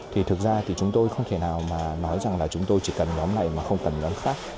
thì thực ra thì chúng tôi không thể nào mà nói rằng là chúng tôi chỉ cần nhóm này mà không cần nhóm khác